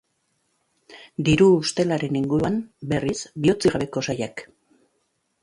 Diru ustelaren inguruan, berriz, bihotzik gabeko saiak.